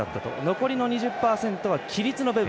残りの２０％は規律の部分。